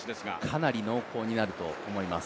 かなり濃厚になると思います。